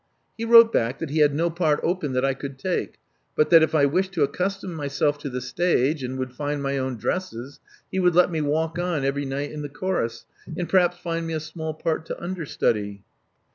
He wrote back that he had no part open that I could take, but that if I wished to accustom myself to the stage and would find my own dresses, he would let me walk on every night in the chorus, and perhaps find me a small part to understudy."